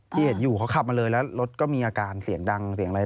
ที่เห็นอยู่เขาขับมาเลยแล้วรถก็มีอาการเสียงดังเสียงอะไร